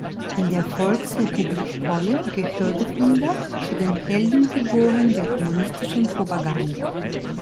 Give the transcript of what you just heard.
In der Volksrepublik Polen gehörte Finder zu den Heldenfiguren der kommunistischen Propaganda.